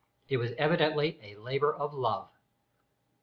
It was evidently a labour of love!